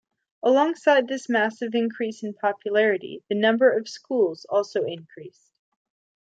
Alongside this massive increase in popularity, the number of schools also increased.